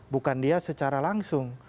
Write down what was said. bukan dia secara langsung